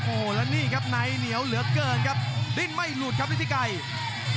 โอ้โหแล้วนี่ครับในเหนียวเหลือเกินครับดิ้นไม่หลุดครับฤทธิไกร